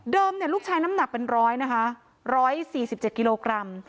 เดิมเนี่ยลูกชายน้ำหนักเป็น๑๐๐นะคะ๑๔๗กิโลกรัม